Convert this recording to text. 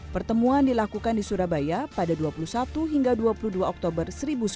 pertemuan dilakukan di surabaya pada dua puluh satu hingga dua puluh dua oktober seribu sembilan ratus empat puluh